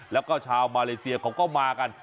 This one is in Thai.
แล้วก็ชาวมาเลเซียเขาก็มากัน